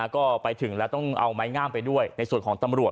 ก็ไปถึงแล้วต้องเอาไม้งามไปด้วยในส่วนของตำรวจ